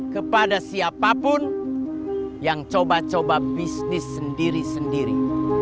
kepada siapapun yang coba coba bisnis sendiri sendiri